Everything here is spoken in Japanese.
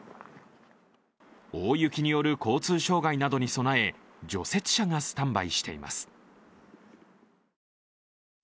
大雪による交通障害などに備え、除雪車がスタンバイしています。